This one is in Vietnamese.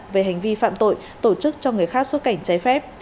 về hành vi phạm tội tổ chức trong người khác suốt cảnh cháy phép